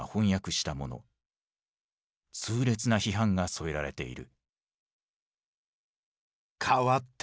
痛烈な批判が添えられている。